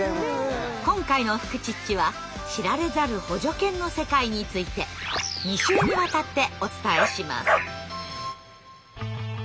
今回の「フクチッチ」は知られざる補助犬の世界について２週にわたってお伝えします。